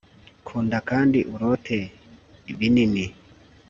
kunda kandi urote binini